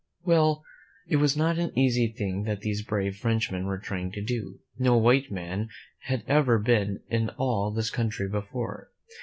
Well, it was not an easy thing that these brave Frenchmen were trying to do. No white man had ever been in all this country before.